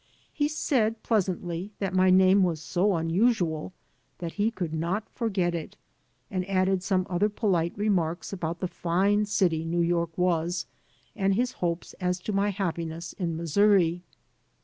He said, pleasantly, that my name was so unusual that he could not forget it, and added some other polite remarks about the fine city New York was and his hopes as to my happiness in Missouri.